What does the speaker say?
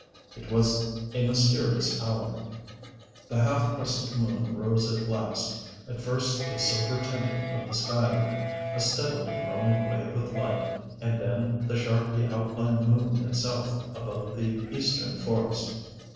It was a mysterious hour. The half crescent moon rose at last, at first a silver tinting of the skyline, a steadily growing wave of light and then the sharply outlined moon itself above the eastern forest.